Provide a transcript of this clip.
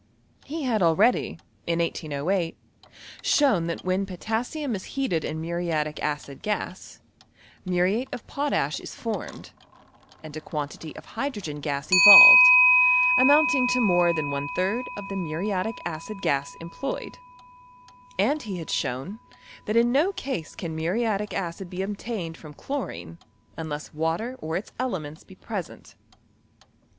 He had already, in 1808, shown that when potassium is heated in muriatic acid gas, muriate of potash is formed, and a quantity of hy drogen gas evolved, amountiag to more than one third of the muriatic acid gas employed, and he had shown, that in no case can muriatic acid be obtuned OF £I.ECTKO CU£MISTRT. m^67 ftom chlorine, tmless water or its elements be pre Bent.